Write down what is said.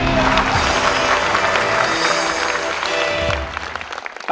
ใช้ค่ะ